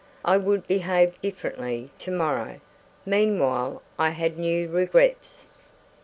I would behave differently to morrow. Meanwhile I had new regrets.